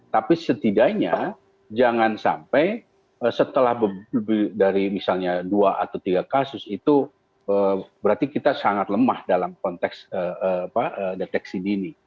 tapi setidaknya jangan sampai setelah lebih dari misalnya dua atau tiga kasus itu berarti kita sangat lemah dalam konteks deteksi dini